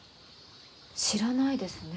知らないですね。